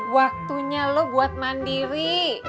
waktunya lu buat mandiri